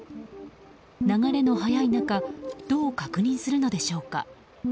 流れの速い中どう確認するのでしょうか。